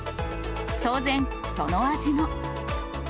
当然、その味も。